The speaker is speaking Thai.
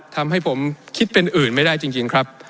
ทำให้ผมคิดเป็นอื่นไม่ได้จริงครับ